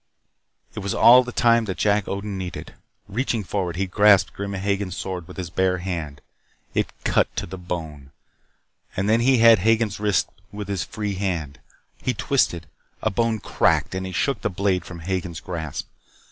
It was all the time that Jack Odin needed. Reaching forward he grasped Grim Hagen's sword with his bare hand. It cut to the bone. And then he had Hagen's wrist with his free hand. He twisted. A bone cracked and he shook the blade from Hagen's grasp.